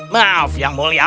maaf yang mulia